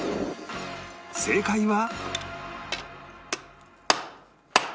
正解は